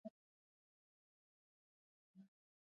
افغانستان د جلګه په برخه کې نړیوالو بنسټونو سره کار کوي.